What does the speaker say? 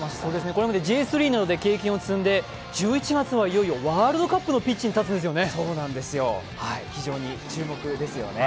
これまでＪ３などで経験を積んで１１月はいよいよワールドカップのピッチに立つんですよね。